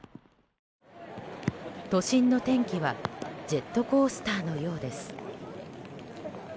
都心の天気はジェットコースターのようです。